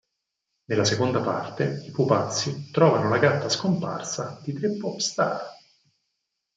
Nella seconda parte i pupazzi trovano la gatta scomparsa di tre popstar.